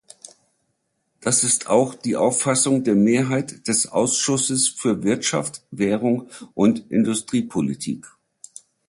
Das ist auch die Auffassung der Mehrheit des Ausschusses für Wirtschaft, Währung und Industriepolitik.